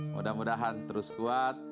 mudah mudahan terus kuat